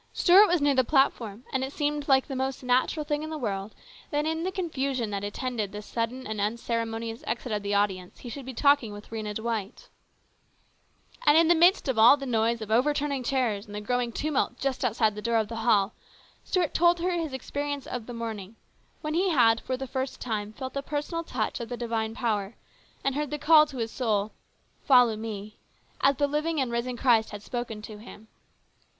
Stuart was near the plat form, and it seemed like the most natural thing in the world that in the confusion that attended the 148 HIS BROTHER'S KEEPER. sudden and unceremonious exit of the audience he should be talking with Rhena Dwight And in the midst of all the noise of overturning chairs and the growing tumult just outside the door of the hall, Stuart told her his experience of the morning, when he had for the first time felt the personal touch of the divine power and heard the call to his soul, " Follow me," as the living and risen Christ had spoken to him.